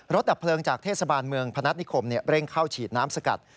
ดับเพลิงจากเทศบาลเมืองพนัฐนิคมเร่งเข้าฉีดน้ำสกัด